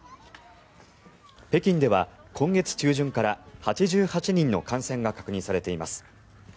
北京では今月中旬から８８人の感染が確認されています。